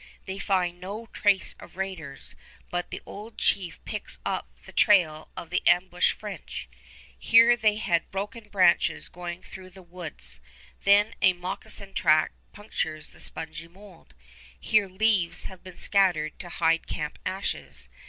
They find no trace of raiders, but the old chief picks up the trail of the ambushed French. Here they had broken branches going through the woods; there a moccasin track punctures the spongy mold; here leaves have been scattered to hide camp ashes.